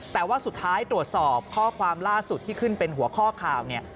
แต่ว่าสุดท้ายตรวจสอบข้อความล่าสุดที่ขึ้นเป็นหัวข้อข่าวเนี่ย